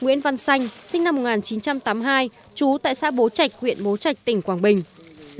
nguyễn văn xanh sinh năm một nghìn chín trăm tám mươi hai trú tại xã bố trạch huyện bố trạch tỉnh quảng bình